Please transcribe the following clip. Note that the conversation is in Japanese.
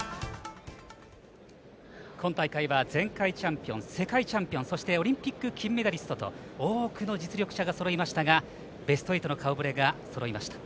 今大会は前回チャンピオン世界チャンピオンそしてオリンピック金メダリストと多くの実力者がそろいましたがベスト８の顔ぶれがそろいました。